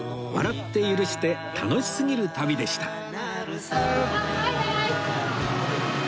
笑って許して楽しすぎる旅でした